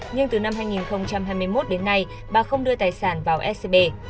nhưng từ năm hai nghìn hai mươi một đến nay bà không đưa tài sản vào scb